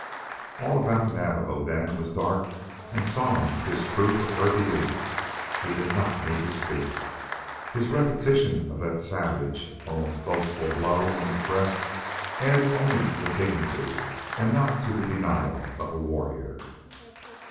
All about the Navajo then was dark and solemn disproof of her belief. He did not need to speak. His repetition of that savage, almost boastful blow on his breast added only to the dignity, and not to the denial, of a warrior.